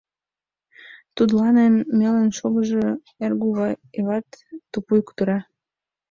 Тудлан эн мелын шогышо Эргуваеват тупуй кутыра.